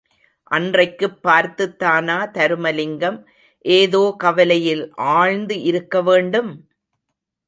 அன்றைக்குப் பார்த்துத்தானா தருமலிங்கம் ஏதோ கவலையில் ஆழ்ந்து இருக்க வேண்டும்?!